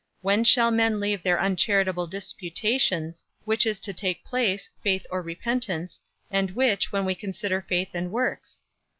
When shall men leave their uncharitable disputations, which is to take place, faith or repentance, and which, when we consider faith and works?